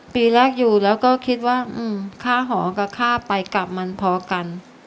ปีแรกอยู่แล้วก็คิดว่าค่าหอกับค่าไปกลับมันพอกัน